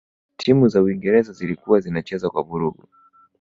timu za uingereza zilikuwa zinacheza kwa vurugu